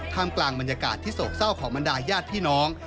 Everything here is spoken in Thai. กลางบรรยากาศที่โศกเศร้าของบรรดายญาติพี่น้อง